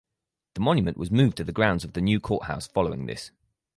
The monument was moved to the grounds of the new courthouse following this.